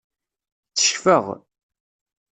Ttecfeɣ.